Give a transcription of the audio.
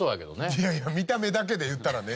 いやいや見た目だけで言ったらね。